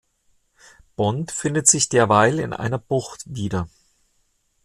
Bond findet sich derweil in einer Bucht wieder.